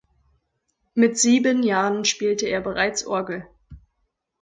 Mit sieben Jahren spielte er bereits Orgel.